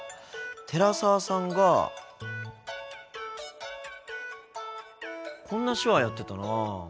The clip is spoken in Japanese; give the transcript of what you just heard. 寺澤さんがこんな手話やってたな。